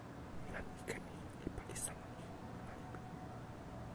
jan ike mi li pali sama ni: ona li mi.